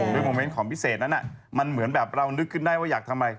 โมเมนต์ของพิเศษนั้นมันเหมือนแบบเรานึกขึ้นได้ว่าอยากทำอะไร